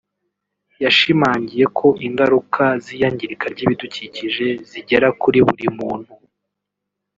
yashimangiye ko ingaruka z’iyangirika ry’ibidukikije zigera kuri buri muntu